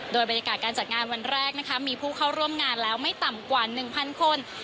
โดยบรรยากาศการจัดงานวันแรกนะคะมีผู้เข้าร่วมงานแล้วไม่ต่ำกว่า๑๐๐คน